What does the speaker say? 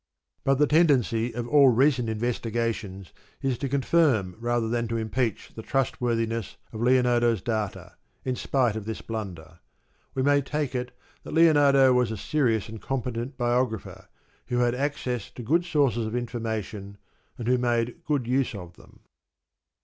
But the tendency of all recent investigations is to confirm rather than to impeach the trustworthiness of Lionardo's data, in spite of this blunder. We may take it that Lionardo was a serious and competent biog rapher who had access to good sources of information, and who made good use of them.